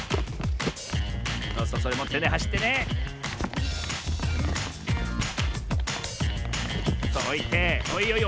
そうそうそれもってねはしってねおいておおいいよいいよ。